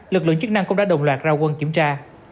lực lượng chức năng cũng đã đồng loạt ra quân kiểm tra